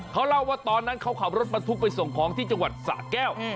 เขาเล่าว่าตอนนั้นเขาขับรถบรรทุกไปส่งของที่จังหวัดสะแก้ว